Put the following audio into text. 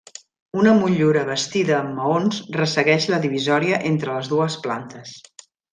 Una motllura bastida amb maons ressegueix la divisòria entre les dues plantes.